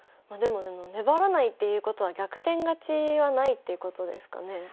でも粘らないっていうことは逆転勝ちはないっていうことですかね？